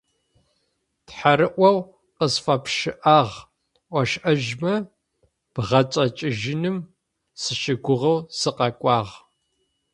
Тхьэрыӏоу къысфэпшӏыгъэр ошӏэжьымэ, бгъэцэкӏэжьыным сыщыгугъэу сыкъэкӏуагъ.